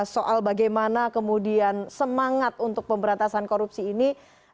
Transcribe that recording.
soal bagaimana kemudian semangat untuk pemberantasan korupsi ini